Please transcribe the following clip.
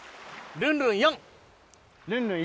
ルンルン１。